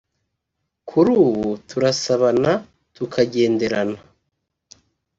kuri ubu turasabana tukagenderana